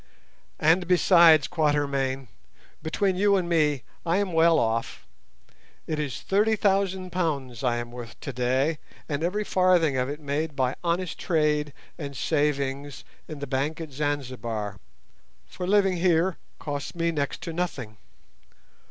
And besides, Quatermain, between you and me, I am well off; it is thirty thousand pounds I am worth today, and every farthing of it made by honest trade and savings in the bank at Zanzibar, for living here costs me next to nothing.